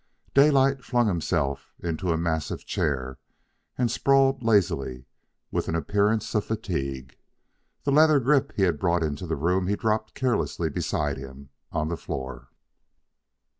Daylight flung himself into a massive chair and sprawled lazily, with an appearance of fatigue. The leather grip he had brought into the room he dropped carelessly beside him on the floor.